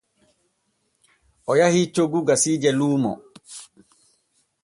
O yahi coggu gasiije luumo.